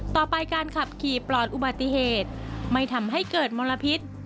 ต่อไปการขับขี่ปลอดอุบัติเหตุไม่ทำให้เกิดมลพิษ